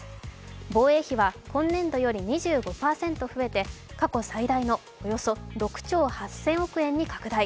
防衛費は今年度より２５％増えて過去最大のおよそ６兆８０００億円に拡大